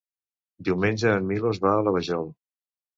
Diumenge en Milos va a la Vajol.